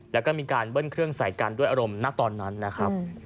แล้วก็มีการเบิ้ลเครื่องใส่กันด้วยอารมณ์ณตอนนั้นนะครับ